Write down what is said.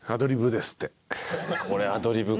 これアドリブか。